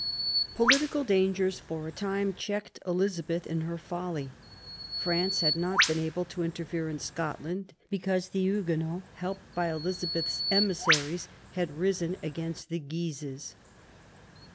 Political dangers for a time checked Elizabeth in her folly. France had not been able to interfere in Scotland, because the Huguenots, helped by Eliza beth's emissaries, had ri^n against the Guises.